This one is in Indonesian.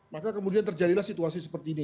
maka kemudian terjadilah situasi seperti ini